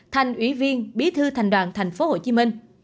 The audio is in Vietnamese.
thành ủy viên bí thư thành đoàn thành phố hồ chí minh